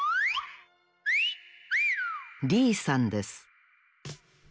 リーさんです